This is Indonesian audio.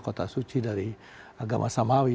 kota suci dari agama samawi